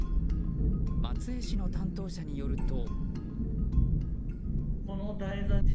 松江市の担当者によると。